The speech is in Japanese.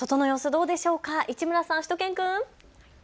どうでしょうか市村さん、しゅと犬くん。